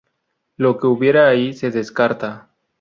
Lo que hubiera ahí se descarta.